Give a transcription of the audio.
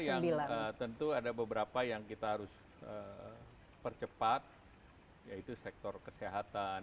yang tentu ada beberapa yang kita harus percepat yaitu sektor kesehatan